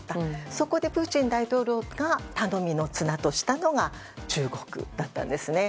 そこでプーチン大統領が頼みの綱としたのが中国だったんですね。